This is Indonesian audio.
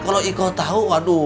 kalau iko tahu